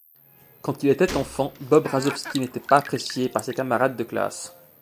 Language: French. Quand il était enfant, Bob Razowski n'était pas apprécié par ses camarades de classe.